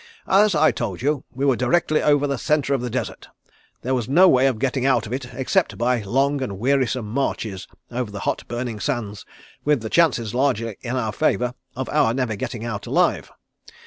As I told you we were directly over the centre of the desert. There was no way of getting out of it except by long and wearisome marches over the hot, burning sands with the chances largely in favour of our never getting out alive.